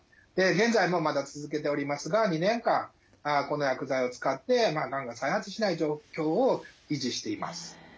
現在もまだ続けておりますが２年間この薬剤を使ってがんが再発しない状況を維持しています。